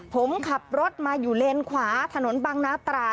ผมขับรถมาอยู่เลนขวาถนนบังนาตรา